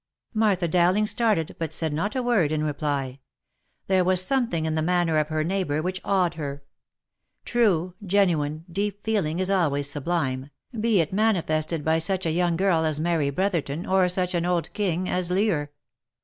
Martha Dowling started, but said not a word in reply ; there was something in the manner of her neighbour which awed her. True, genuine, deep feeling, is always sublime, be it manifested by such a young girl as Mary Brotherton, or such an old king as Lear.